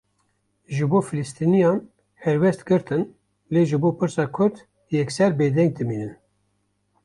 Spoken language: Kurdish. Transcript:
Ji bo filîstîniyan helwest girtin, lê ji bo pirsa Kurd, yekser bêdeng dimînin